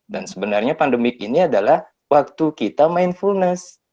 dan sebenarnya pandemi ini adalah waktu kita mindfulness